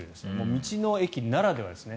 道の駅ならではですね。